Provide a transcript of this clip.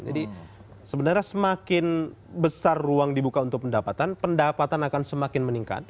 jadi sebenarnya semakin besar ruang dibuka untuk pendapatan pendapatan akan semakin meningkat